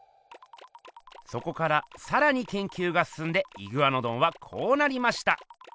そこからさらにけんきゅうがすすんでイグアノドンはこうなりました。